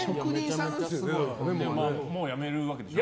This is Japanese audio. もうやめるわけでしょ？